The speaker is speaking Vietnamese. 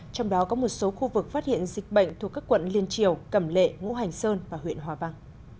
trong đó có một số khu vực phát hiện dịch bệnh thuộc các quận liên triều cẩm lệ ngũ hành sơn và huyện hòa vang